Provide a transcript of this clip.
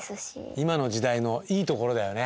今の時代のいいところだよね。